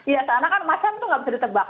iya karena kan macan itu nggak bisa ditebak